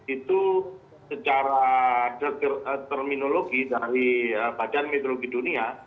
itu secara terminologi dari badan meteorologi dunia